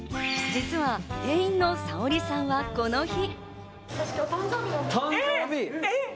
実は店員のサオリさんは、この日。